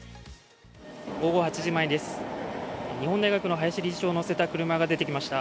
午後８時前です、日本大学の林理事長を乗せた車が出てきました。